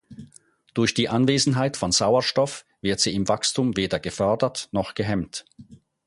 Durch die Anwesenheit von Sauerstoff wird sie im Wachstum weder gefördert noch gehemmt.